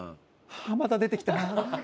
また出てきた。